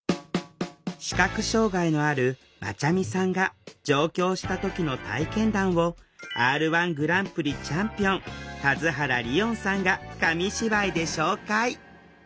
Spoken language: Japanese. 視覚障害のあるまちゃみさんが上京した時の体験談をＲ−１グランプリチャンピオン田津原理音さんが紙芝居で紹介！